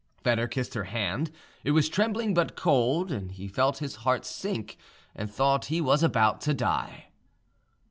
Foedor kissed her hand; it was trembling but cold he felt his heart sink, and thought he was about to die.